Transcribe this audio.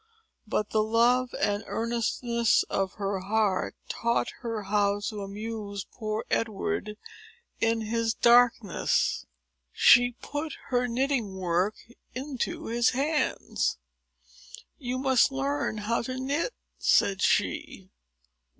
But the love and earnestness of her heart taught her how to amuse poor Edward, in his darkness. She put her knitting work into his hands. "You must learn how to knit," said she.